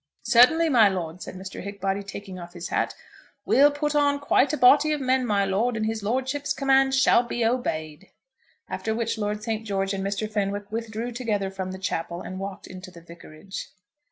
"Certainly, my lord," said Mr. Hickbody, taking off his hat. "We'll put on quite a body of men, my lord, and his lordship's commands shall be obeyed." After which Lord St. George and Mr. Fenwick withdrew together from the chapel and walked into the vicarage.